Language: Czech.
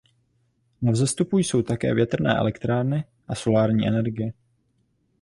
Na vzestupu jsou také větrné elektrárny a solární energie.